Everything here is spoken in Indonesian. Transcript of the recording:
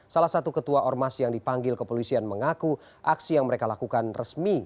salah satu ketua ormas yang dipanggil kepolisian mengaku aksi yang mereka lakukan resmi